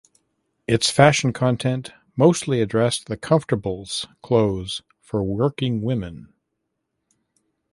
Its fashion content mostly addressed the comfortables clothes for working women.